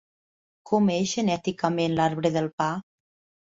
Com és genèticament l'arbre del pa?